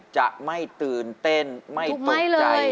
จะไม่ตื่นเต้นไม่ตกใจ